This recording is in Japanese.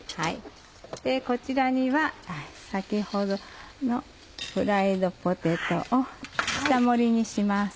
こちらには先ほどのフライドポテトを下盛りにします。